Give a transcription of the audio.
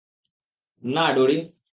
না, ডোরি!